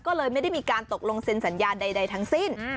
ก็เลยไม่ได้มีการตกลงเซ็นสัญญาใดทั้งสิ้น